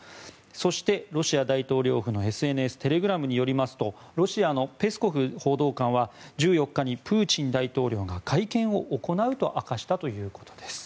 そして、ロシア大統領府のＳＮＳテレグラムによりますとロシアのペスコフ大統領報道官は１４日にプーチン大統領が会見を行うと明かしたということです。